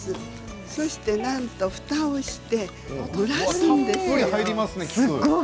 そしてなんと、ふたをして蒸らすんです。